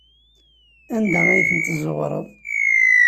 Anda ay ten-tezzuɣreḍ?